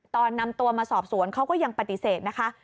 ตอนนำตัวมาสอบสวนเขาก็ยังปฏิเสธนะคะ